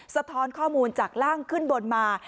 สะท้อนข้อมูลจากร่างขึ้นบนมา